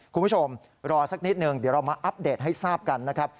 คุณผู้ชมรอสักนิดนึงเดี๋ยวเรามาอัปเดตให้ทราบกันนะครับ